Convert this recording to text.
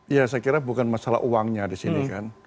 ya saya kira bukan masalah uangnya di sini kan